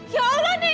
ya allah nenek